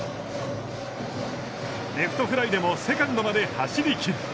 レフトフライでもセカンドまで走りきる。